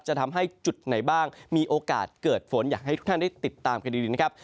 ทำให้จุดไหนบ้างมีโอกาสเกิดฝนอยากให้ทุกท่านได้ติดตามกันดีนะครับ